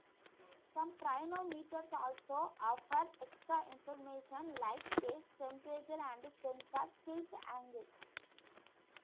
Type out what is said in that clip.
Some pyranometers also offer extra information like case temperature and sensor tilt angle.